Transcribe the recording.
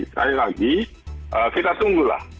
sekali lagi kita tunggulah